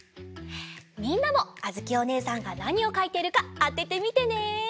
みんなもあづきおねえさんがなにをかいているかあててみてね！